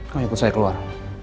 kamu ikut saya keluar